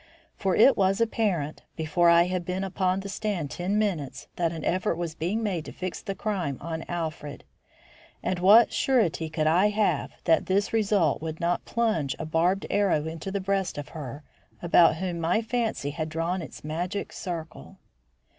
For it was apparent, before I had been upon the stand ten minutes, that an effort was being made to fix the crime on Alfred; and what surety could I have that this result would not plunge a barbed arrow into the breast of her about whom my fancy had drawn its magic circle?